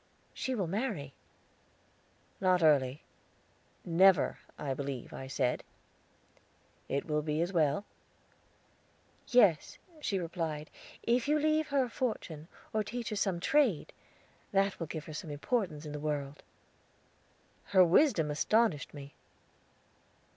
"She will marry." "Not early." "Never, I believe," I said. "It will be as well." "Yes," she replied; "if you leave her a fortune, or teach her some trade, that will give her some importance in the world." Her wisdom astonished me.